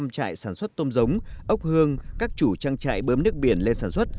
một trăm trại sản xuất tôm giống ốc hương các chủ trang trại bơm nước biển lên sản xuất